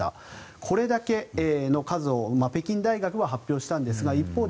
これだけの数を北京大学は発表したんですが一方で、